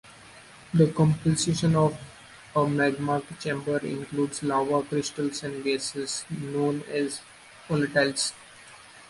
The composition of a magma chamber includes lava, crystals and gases known as volatiles.